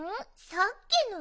さっきの？